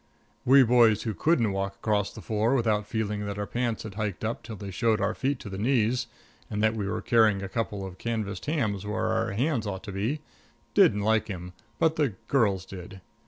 We boys who couldn't walk across the floor without feeling that our pants had hiked up till they showed our feet to the knees, and that we were carrying a couple of canvased hams where our hands ought to be, didn't like him; but the girls did.